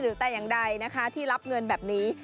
หรือแต่อย่างใดนะคะที่รับเงินแบบนี้